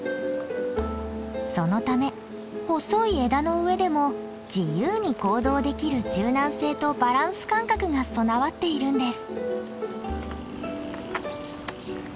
そのため細い枝の上でも自由に行動できる柔軟性とバランス感覚が備わっているんです。